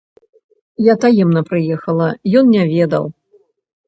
Я таемна прыехала, ён не ведаў.